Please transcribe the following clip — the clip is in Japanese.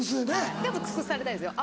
でも尽くされたいですよ